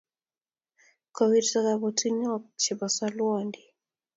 kowirta kabutyinoik chebo solwondi